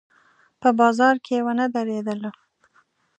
په بازار کې ونه درېدلو.